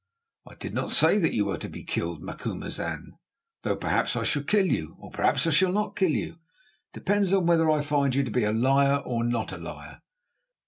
"I did not say that you were to be killed, Macumazahn, though perhaps I shall kill you, or perhaps I shall not kill you. It depends upon whether I find you to be a liar, or not a liar.